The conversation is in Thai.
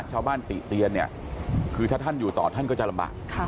ติเตียนเนี่ยคือถ้าท่านอยู่ต่อท่านก็จะลำบาก